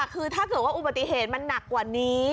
คือถ้าเกิดว่าอุบัติเหตุมันหนักกว่านี้